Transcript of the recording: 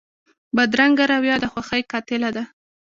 بدرنګه رویه د خوښۍ قاتله ده